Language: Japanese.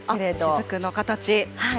しずくの形。